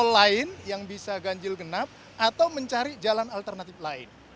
lain yang bisa ganjil genap atau mencari jalan alternatif lain